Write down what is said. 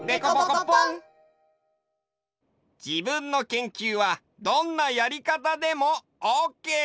自分の研究はどんなやりかたでもオッケー！